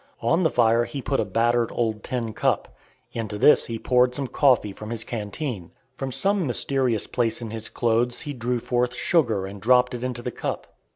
On the fire he put a battered old tin cup. Into this he poured some coffee from his canteen. From some mysterious place in his clothes he drew forth sugar and dropped it into the cup.